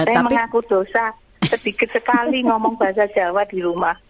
sedikit sekali ngomong bahasa jawa di rumah